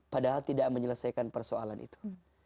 padahal tidak menyelesaikan persoalan itu